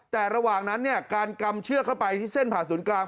แต่ระหว่างนั้นการกำเชือกเข้าไปที่เส้นผ่าศูนย์กลาง